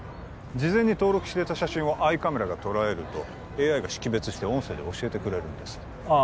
事前に登録していた写真をアイカメラが捉えるとＡＩが識別して音声で教えてくれるんですああ